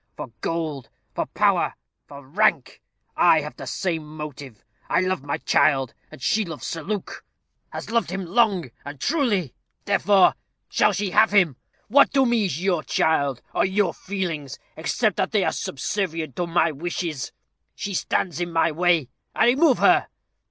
For gold for power for rank. I have the same motive. I love my child, and she loves Sir Luke has loved him long and truly; therefore shall she have him. What to me is your child, or your feelings, except they are subservient to my wishes? She stands in my way. I remove her."